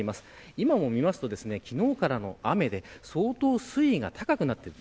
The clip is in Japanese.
今も見ますと、昨日からの雨で相当、水位が高くなっている。